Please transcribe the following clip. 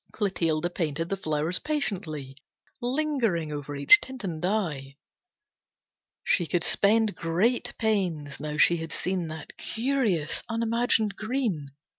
Clotilde painted the flowers patiently, Lingering over each tint and dye. She could spend great pains, now she had seen That curious, unimagined green.